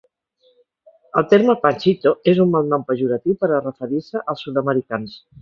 El terme ‘panchito’ és un malnom pejoratiu per a referir-se als sud-americans.